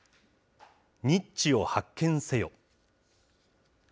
ニッチを発見せよ。